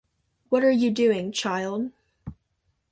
What are you doing, child?